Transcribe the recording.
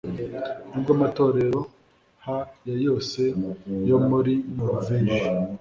Nubwo amatorero ha ya yose yo muri Noruveje